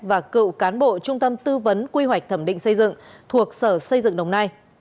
và cựu cán bộ trung tâm tư vấn quy hoạch thẩm định xây dựng thuộc sở xây dựng đồng nai